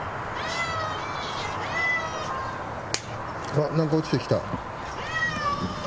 あっ何か落ちてきた。